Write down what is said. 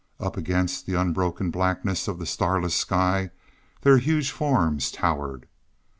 Up against the unbroken blackness of the starless sky their huge forms towered.